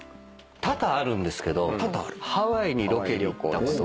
多々あるんですけどハワイにロケに行ったこと。